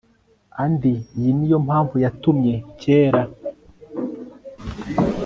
andi iyi niyo mpamvu yatumye, kera